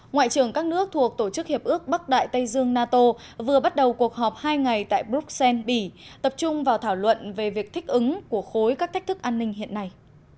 ngoại trưởng các nước thuộc tổ chức hiệp ước bắc đại tây dương nato vừa bắt đầu cuộc họp hai ngày tại bruxelles bỉ tập trung vào thảo luận về việc thích ứng của khối các thách thức an ninh hiện nay